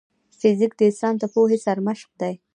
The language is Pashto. فزیک د انسان د پوهې سرمشق دی.